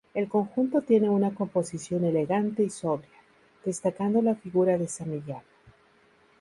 El conjunto tiene una composición elegante y sobria, destacando la figura de San Millán.